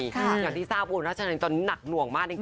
อย่างที่ทราบอุบลราชธานีจนน้ำหนักหน่วงมากจริง